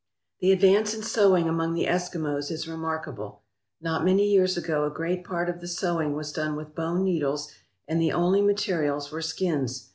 The advance in sewing among the Eskimos is remark able. Not many years ago a great part of the sewing was done with bone needles and the only materials were skins.